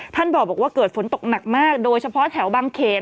ท่านบอกว่าเกิดฝนตกหนักมากโดยเฉพาะแถวบางเขน